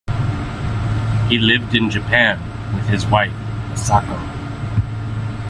He lived in Japan with his wife Asako.